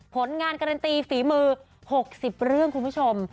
ผลงานการันตีฝีมือ๖๐เรื่องคุณผู้ชม